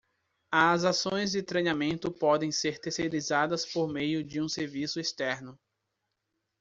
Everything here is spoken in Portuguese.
As ações de treinamento podem ser terceirizadas por meio de um serviço externo.